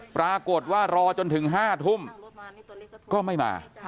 ปรากฏว่ารอจนถึง๕ทุ่มก็ไม่มา